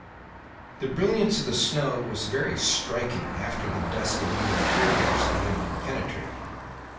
The brilliance of the snow was very striking after the dusk of the interiors I had been penetrating.